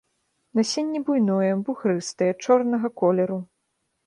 Насенне буйное, бугрыстае, чорнага колеру.